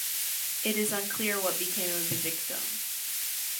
It is unclear what became of the victim.